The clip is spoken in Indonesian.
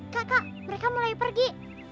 kakak mereka mulai pergi